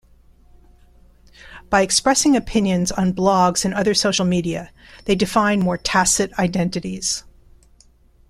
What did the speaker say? By expressing opinions on blogs and other social media, they define more tacit identities.